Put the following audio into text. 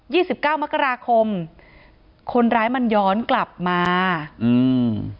สิบเก้ามกราคมคนร้ายมันย้อนกลับมาอืม